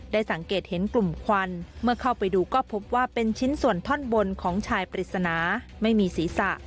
สังเกตเห็นกลุ่มควันเมื่อเข้าไปดูก็พบว่าเป็นชิ้นส่วนท่อนบนของชายปริศนาไม่มีศีรษะ